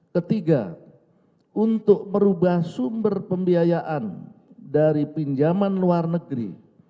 ketiga untuk merubah sumber pembiayaan dari pinjaman luar negeri